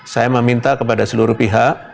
saya meminta kepada seluruh pihak